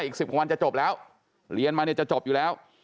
อีก๑๐กว่าวันจะจบแล้วเรียนมาเนี่ยจะจบอยู่แล้ว